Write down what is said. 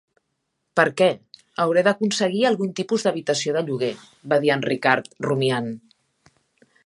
"Per què, hauré d'aconseguir algun tipus d'habitació de lloguer" va dir en Ricard, rumiant.